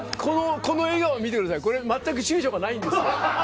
この笑顔を見てくださいこれ全くちゅうちょがないんですよ。